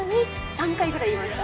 ３回ぐらい言いました。